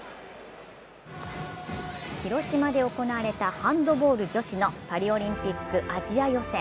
広島で行われたハンドボール女子のパリオリンピックアジア予選。